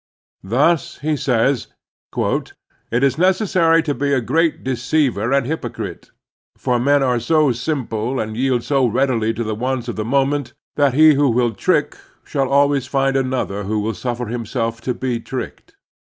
Thus he says: "It is necessary to be a great deceiver and hypocrite; for men are so simple and yield so readily to the wants of the moment that he who will trick shall always find another who will suffer himself to be tricked.